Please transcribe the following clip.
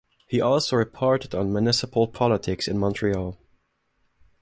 He also reported on municipal politics in Montreal.